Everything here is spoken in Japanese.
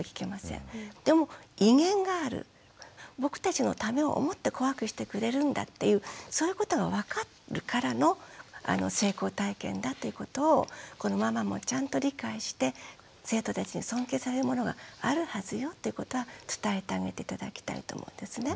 でも威厳がある僕たちのためを思って怖くしてくれるんだっていうそういうことが分かるからの成功体験だっていうことをこのママもちゃんと理解して生徒たちに尊敬されるものがあるはずよっていうことは伝えてあげて頂きたいと思うんですね。